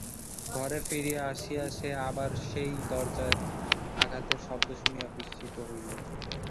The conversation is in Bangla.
ঘরে ফিরিয়া আসিয়া সে আবার সেই দরজায় আঘাতের শব্দ শুনিয়া বিস্মিত হইল।